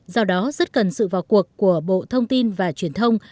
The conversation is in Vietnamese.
do đó rất cần sự vào cuộc của bộ thông tin và truyền thông